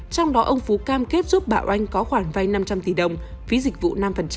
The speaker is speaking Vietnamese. trong đó ông phú cam kết giúp bà oanh có khoản vay năm trăm linh tỷ đồng phí dịch vụ năm